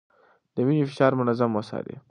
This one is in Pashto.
د وينې فشار منظم وڅارئ.